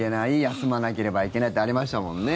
休まなければいけないってありましたもんね。